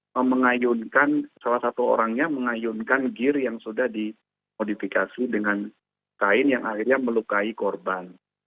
mengayunkan salah satu orangnya mengayunkan gear yang sudah dimodifikasi dengan kain yang akhirnya melukai korban